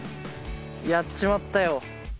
やっちまったよ。